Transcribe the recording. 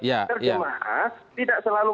karena jemaah tidak selalu